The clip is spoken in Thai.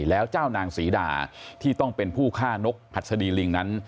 แล้วเจ้านางศรีดาที่ต้องเป็นผู้ฆ่านกหัดสดีลิงนั้น